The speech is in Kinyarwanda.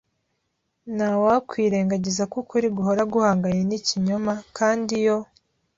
nta wakwirengagiza ko ukuri guhora guhanganye n ikinyoma kandi iyo